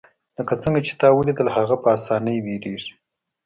لکه څنګه چې تا ولیدل هغه په اسانۍ ویریږي